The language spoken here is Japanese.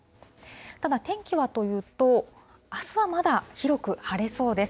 ただ、天気はというと、あすはまだ広く晴れそうです。